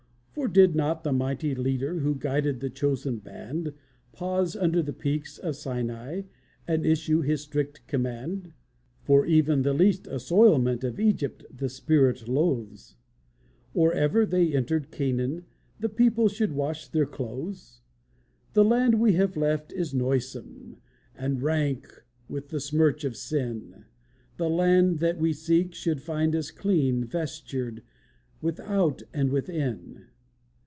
"For did not the mighty Leader Who guided the chosen band Pause under the peaks of Sinai, And issue his strict command "(For even the least assoilment Of Egypt the spirit loathes) Or ever they entered Canaan, The people should wash their clothes? "The land we have left is noisome, And rank with the smirch of sin; The land that we seek should find us Clean vestured without and within."